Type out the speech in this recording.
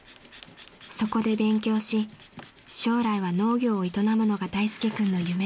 ［そこで勉強し将来は農業を営むのが大介君の夢です］